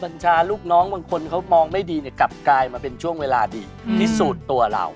คับบัญชาลูกน้องบางคนเขามองไม่ดีกลับกลายมาเป็นช่วงเวลาดีที่สูตรตัวเรา